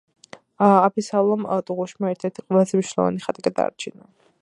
აბესალომ ტუღუშმა ერთ- ერთი ყველაზე მნიშვნელოვანი ხატი გადაარჩინა.